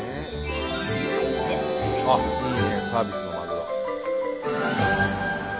あっいいねサービスのまぐろ。